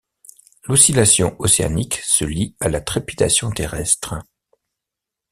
L’oscillation océanique se lie à la trépidation terrestre.